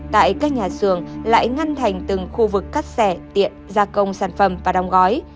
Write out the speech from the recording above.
tại các nhà xưởng lại ngăn thành từng khu vực cắt xẻ tiện gia công sản phẩm và đóng gói